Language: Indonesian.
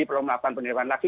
perlombaan pendidikan lagi